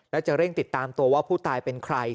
และจะเร่งติดตามตัวว่าผู้ตายเป็นใคร